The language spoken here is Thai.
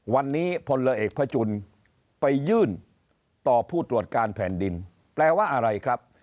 วันนี้พลเอกพระจุลไปยื่นต่อผู้ตรวจการแผ่นดินแปลว่าอะไรครับ